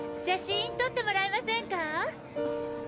写真とってもらえませんか？